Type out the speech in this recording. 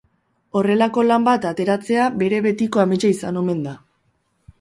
Horrelako lan bat ateratzea bere betiko ametsa izan omen da.